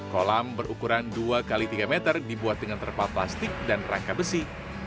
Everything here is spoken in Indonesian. kolam berukuran dua x tiga meter dibuat dengan terpal plastik dan rangka besi